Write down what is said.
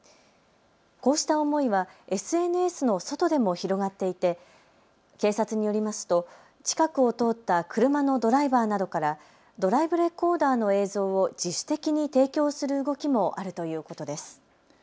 こうした思いはＳＮＳの外でも広がっていて警察によりますと近くを通った車のドライバーなどからドライブレコーダーの映像を自主的に提供する動きもあるということです。